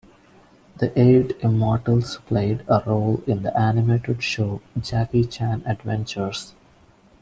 The Eight Immortals played a role in the animated show "Jackie Chan Adventures".